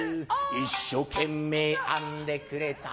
一生懸命編んでくれた